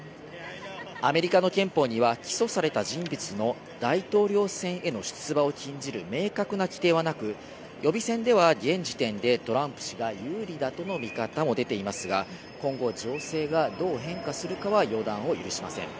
アメリカの憲法には起訴された人物の大統領選への出馬を禁じる明確な規定はなく予備選では現時点でトランプ氏が有利だとの見方も出ていますが今後、情勢がどう変化するかは予断を許しません。